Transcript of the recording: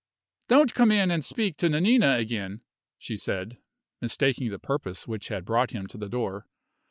"Don't come in and speak to Nanina again," she said, mistaking the purpose which had brought him to the door.